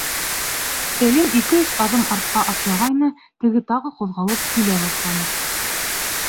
Сәлим ике-өс аҙым артҡа атлағайны, теге тағы ҡуҙғалып килә башланы.